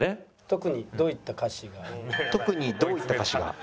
「特にどういった歌詞が」。